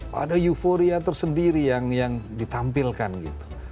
pada euforia tersendiri yang ditampilkan gitu